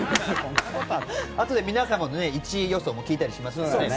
あとで皆様の１位予想も聞いたりしますからね。